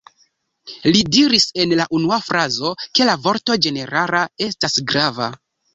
Li diris en la unua frazo, ke la vorto ĝenerala estas grava.